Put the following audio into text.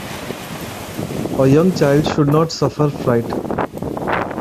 A young child should not suffer fright.